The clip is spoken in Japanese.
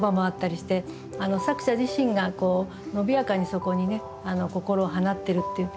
作者自身が伸びやかにそこに心を放ってるっていう。